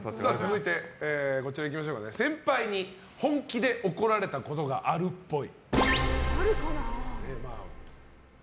続いて、先輩に本気で怒られたことがあるっぽい。